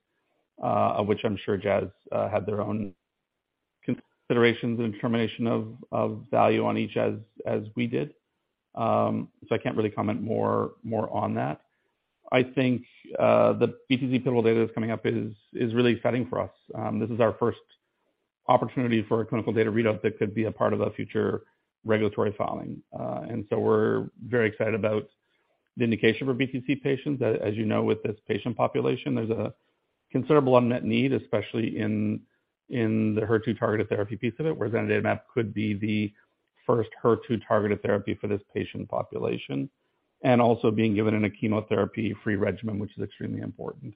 of which I'm sure Jazz had their own considerations and determination of value on each as we did. I can't really comment more on that. I think the BTC pivotal data that's coming up is really exciting for us. This is our first opportunity for a clinical data readout that could be a part of a future regulatory filing. We're very excited about the indication for BTC patients. As you know, with this patient population, there's a considerable unmet need, especially in the HER2-targeted therapy piece of it, where zanidatamab could be the first HER2-targeted therapy for this patient population, and also being given in a chemotherapy-free regimen, which is extremely important.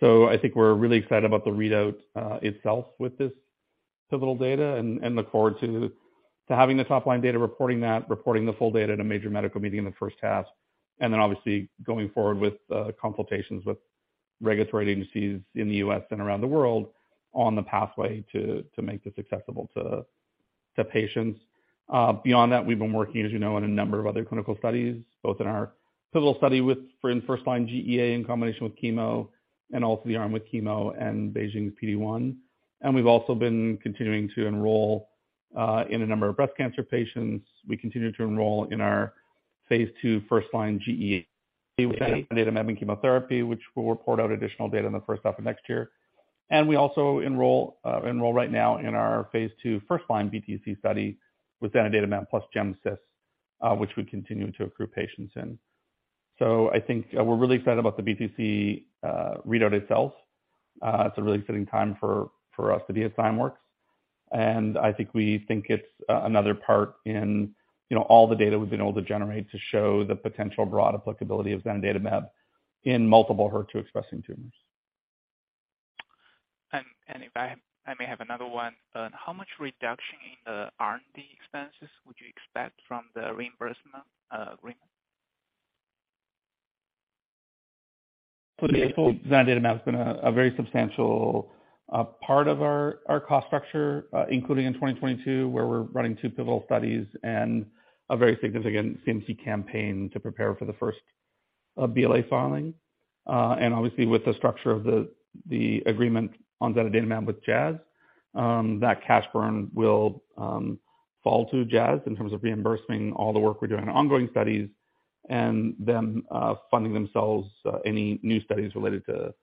I think we're really excited about the readout itself with this pivotal data and look forward to having the top line data, reporting the full data in a major medical meeting in the first half. Obviously going forward with consultations with regulatory agencies in the US and around the world on the pathway to make this accessible to patients. Beyond that, we've been working, as you know, on a number of other clinical studies, both in our pivotal study for first-line GEA in combination with chemo and also the arm with chemo and BeiGene's PD-1. We've also been continuing to enroll in a number of breast cancer patients. We continue to enroll in our phase II first-line GEA with zanidatamab and chemotherapy, which we'll report out additional data in the first half of next year. We also enroll right now in our phase II first-line BTC study with zanidatamab plus Gem/Cis, which we continue to accrue patients in. I think we're really excited about the BTC readout itself. It's a really exciting time for us to be at Zymeworks, and I think we think it's another part in, you know, all the data we've been able to generate to show the potential broad applicability of zanidatamab in multiple HER2-expressing tumors. If I may have another one. How much reduction in the R&D expenses would you expect from the reimbursement agreement? For the year, full zanidatamab has been a very substantial part of our cost structure, including in 2022, where we're running two pivotal studies and a very significant CMC campaign to prepare for the first BLA filing. Obviously with the structure of the agreement on zanidatamab with Jazz, that cash burn will fall to Jazz in terms of reimbursing all the work we're doing on ongoing studies and them funding themselves any new studies related to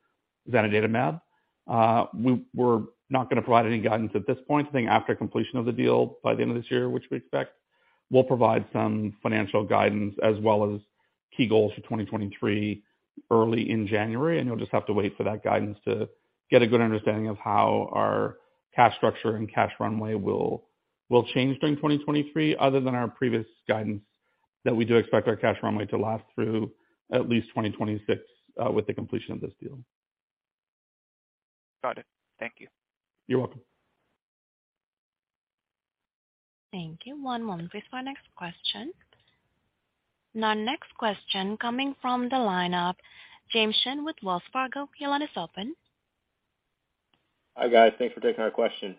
zanidatamab. We're not gonna provide any guidance at this point. I think after completion of the deal by the end of this year, which we expect, we'll provide some financial guidance as well as key goals for 2023 early in January, and you'll just have to wait for that guidance to get a good understanding of how our cash structure and cash runway will change during 2023, other than our previous guidance that we do expect our cash runway to last through at least 2026 with the completion of this deal. Got it. Thank you. You're welcome. Thank you. One moment please for our next question. Our next question coming from the lineup, James Shin with Wells Fargo. Your line is open. Hi, guys. Thanks for taking our question.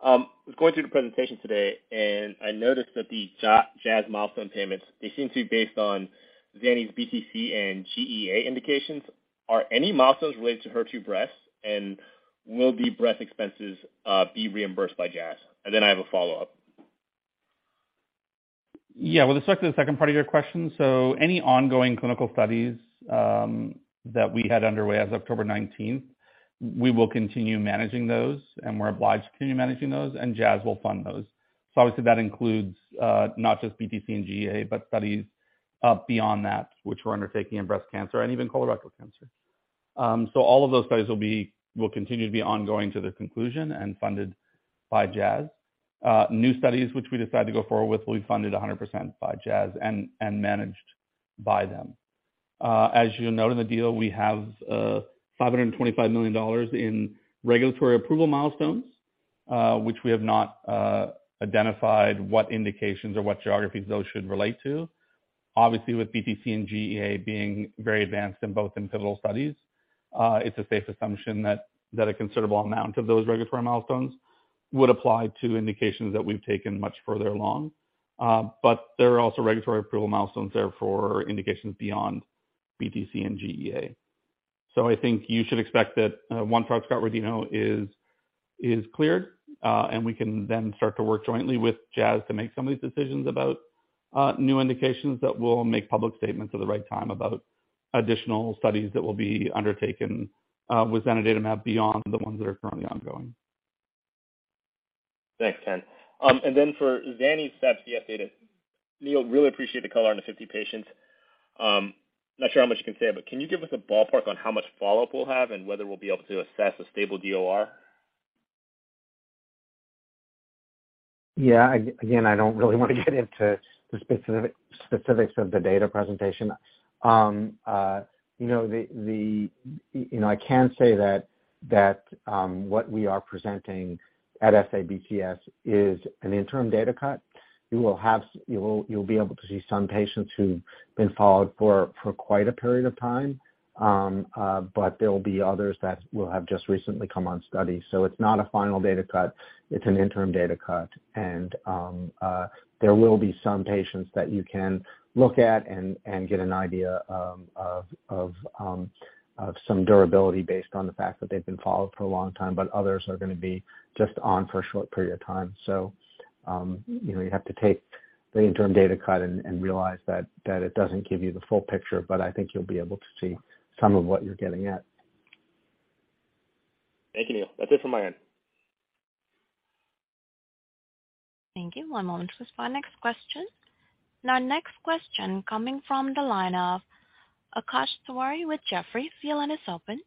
I was going through the presentation today, and I noticed that the Jazz milestone payments, they seem to be based on zanidatamab's BTC and GEA indications. Are any milestones related to HER2 breast? And will the breast expenses be reimbursed by Jazz? And then I have a follow-up. Yeah, with respect to the second part of your question, any ongoing clinical studies that we had underway as October 19, we will continue managing those, and we're obliged to continue managing those, and Jazz will fund those. Obviously, that includes not just BTC and GEA, but studies beyond that, which we're undertaking in breast cancer and even colorectal cancer. All of those studies will continue to be ongoing to their conclusion and funded by Jazz. New studies which we decide to go forward with will be funded 100% by Jazz and managed by them. As you'll note in the deal, we have $525 million in regulatory approval milestones, which we have not identified what indications or what geographies those should relate to. Obviously, with BTC and GEA being very advanced in both pivotal studies, it's a safe assumption that a considerable amount of those regulatory milestones would apply to indications that we've taken much further along. There are also regulatory approval milestones there for indications beyond BTC and GEA. I think you should expect that, once Hart-Scott-Rodino is cleared, and we can then start to work jointly with Jazz to make some of these decisions about new indications that we'll make public statements at the right time about additional studies that will be undertaken with zanidatamab beyond the ones that are currently ongoing. Thanks, Ken. For Zani SABCS data, Neil, really appreciate the color on the 50 patients. Not sure how much you can say, but can you give us a ballpark on how much follow-up we'll have and whether we'll be able to assess a stable DOR? Yeah. Again, I don't really want to get into the specific, specifics of the data presentation. You know, I can say that what we are presenting at SABCS is an interim data cut. You will be able to see some patients who've been followed for quite a period of time. But there'll be others that will have just recently come on study. So it's not a final data cut, it's an interim data cut. There will be some patients that you can look at and get an idea of some durability based on the fact that they've been followed for a long time, but others are gonna be just on for a short period of time. You know, you have to take the interim data cut and realize that it doesn't give you the full picture, but I think you'll be able to see some of what you're getting at. Thank you, Neil. That's it from my end. Thank you. One moment please for our next question. Our next question coming from the line of Akash Tewari with Jefferies. Your line is open.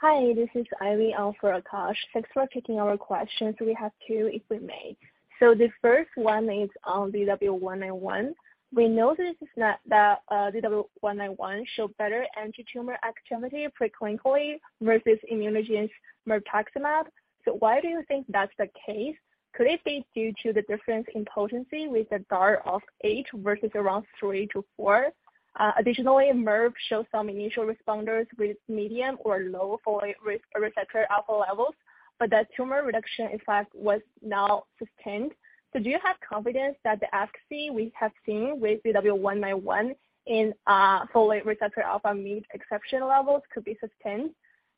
Hi, this is Irene out for Akash. Thanks for taking our questions. We have two, if we may. The first one is on ZW191. We know that ZW191 shows better anti-tumor activity preclinically versus ImmunoGen's mirvetuximab. Why do you think that's the case? Could it be due to the difference in potency with a DAR of eight versus around three to four? Additionally, mirv show some initial responders with medium or low folate receptor alpha levels, but that tumor reduction, in fact, was not sustained. Do you have confidence that the efficacy we have seen with ZW191 in folate receptor alpha medium to exceptional levels could be sustained?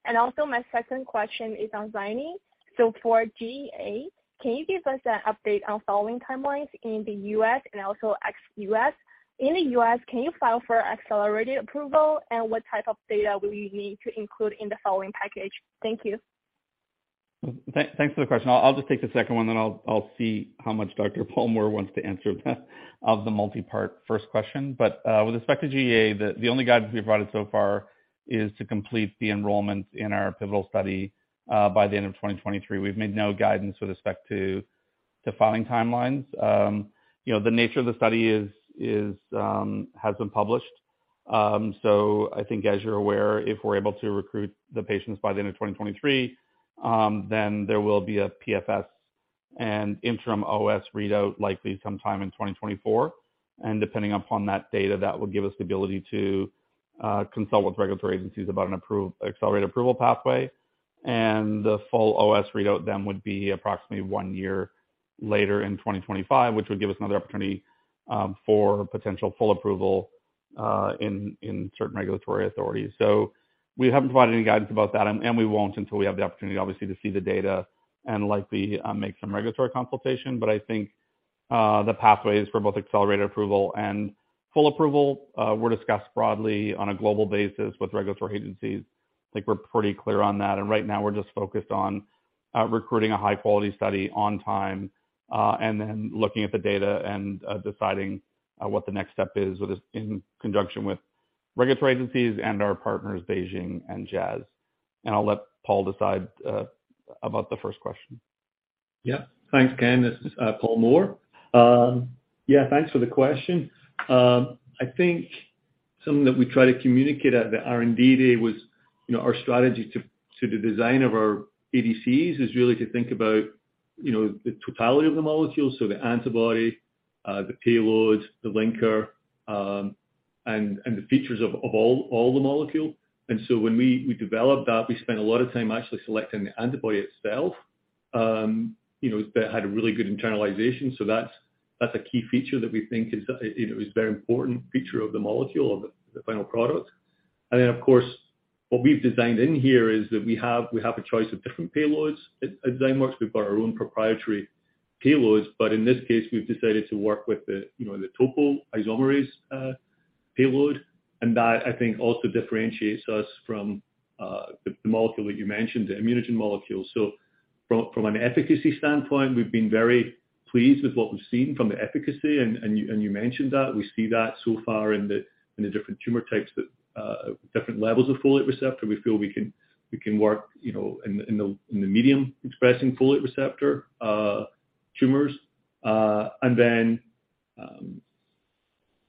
And also my second question is on Zani. For GEA, can you give us an update on filing timelines in the U.S. and also ex-U.S.? In the U.S., can you file for accelerated approval, and what type of data will you need to include in the filing package? Thank you. Thanks for the question. I'll just take the second one, then I'll see how much Dr. Paul Moore wants to answer that of the multipart first question. With respect to GEA, the only guidance we've provided so far is to complete the enrollment in our pivotal study by the end of 2023. We've made no guidance with respect to filing timelines. You know, the nature of the study is has been published. So I think as you're aware, if we're able to recruit the patients by the end of 2023, then there will be a PFS and interim OS readout likely sometime in 2024. Depending upon that data, that would give us the ability to consult with regulatory agencies about an accelerated approval pathway. The full OS readout then would be approximately one year later in 2025, which would give us another opportunity for potential full approval in certain regulatory authorities. We haven't provided any guidance about that, and we won't until we have the opportunity, obviously, to see the data and likely make some regulatory consultation. I think the pathways for both accelerated approval and full approval were discussed broadly on a global basis with regulatory agencies. I think we're pretty clear on that. Right now we're just focused on recruiting a high quality study on time and then looking at the data and deciding what the next step is with this in conjunction with regulatory agencies and our partners, BeiGene and Jazz. I'll let Paul decide about the first question. Yeah. Thanks, Ken. This is Paul Moore. Yeah, thanks for the question. I think something that we try to communicate at the R&D Day was, you know, our strategy to the design of our ADCs is really to think about, you know, the totality of the molecule, so the antibody, the payload, the linker, and the features of all the molecule. When we developed that, we spent a lot of time actually selecting the antibody itself, you know, that had a really good internalization. So that's a key feature that we think is, you know, is very important feature of the molecule, of the final product. Of course, what we've designed in here is that we have a choice of different payloads. At Zymeworks, we've got our own proprietary payloads. In this case, we've decided to work with you know the topoisomerase payload. That, I think, also differentiates us from the molecule that you mentioned, the ImmunoGen molecule. From an efficacy standpoint, we've been very pleased with what we've seen from the efficacy. You mentioned that. We see that so far in the different tumor types that different levels of folate receptor. We feel we can work you know in the medium expressing folate receptor tumors.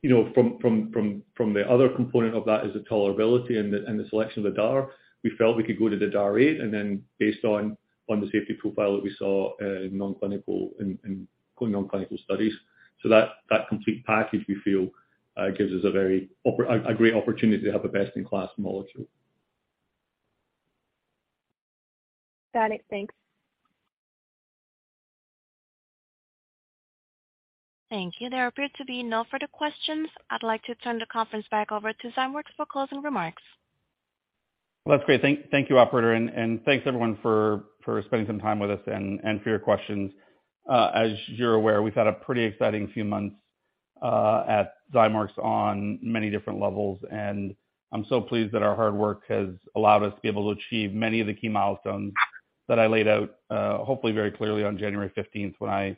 You know from the other component of that is the tolerability and the selection of the DAR. We felt we could go to the DAR 8, and then based on the safety profile that we saw in non-clinical, in ongoing clinical studies. That complete package, we feel, gives us a great opportunity to have a best-in-class molecule. Got it. Thanks. Thank you. There appear to be no further questions. I'd like to turn the conference back over to Zymeworks for closing remarks. Well, that's great. Thank you, operator. Thanks, everyone for spending some time with us and for your questions. As you're aware, we've had a pretty exciting few months at Zymeworks on many different levels, and I'm so pleased that our hard work has allowed us to be able to achieve many of the key milestones that I laid out, hopefully very clearly on January fifteenth when I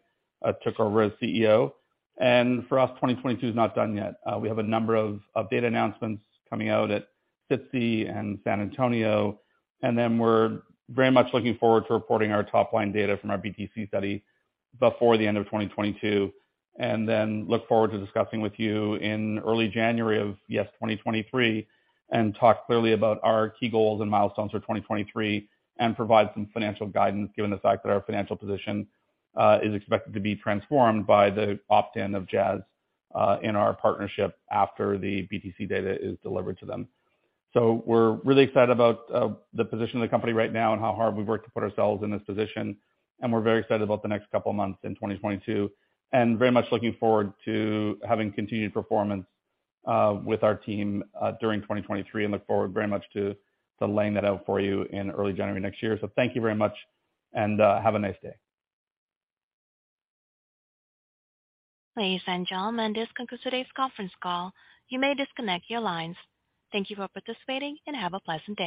took over as CEO. For us, 2022 is not done yet. We have a number of data announcements coming out at SITC and San Antonio, and then we're very much looking forward to reporting our top-line data from our BTC study before the end of 2022. Look forward to discussing with you in early January of 2023, and talk clearly about our key goals and milestones for 2023 and provide some financial guidance, given the fact that our financial position is expected to be transformed by the opt-in of Jazz in our partnership after the BTC data is delivered to them. We're really excited about the position of the company right now and how hard we've worked to put ourselves in this position, and we're very excited about the next couple of months in 2022. Very much looking forward to having continued performance with our team during 2023, and look forward very much to laying that out for you in early January next year. Thank you very much, and have a nice day. Ladies and gentlemen, this concludes today's conference call. You may disconnect your lines. Thank you for participating, and have a pleasant day.